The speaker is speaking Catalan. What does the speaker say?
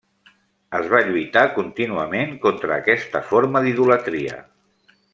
Es va lluitar contínuament contra aquesta forma d'idolatria.